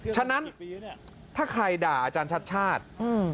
ฉะนั้นถ้าใครด่าอาจารย์ชัดชาติ